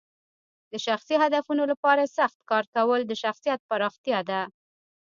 د شخصي هدفونو لپاره سخت کار کول د شخصیت پراختیا ده.